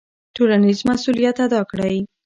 ټولنیز مسوولیت ادا کړئ.